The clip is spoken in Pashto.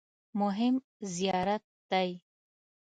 مهم زیارت دی.